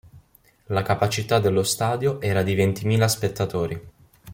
La capacità dello stadio era di ventimila spettatori.